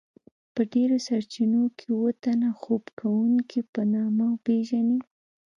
په ډیرو سرچینو کې اوه تنه خوب کوونکيو په نامه پیژني.